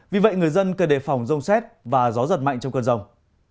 vì vậy người dân cần đề phòng rông xét và gió giật mạnh trong cơn rông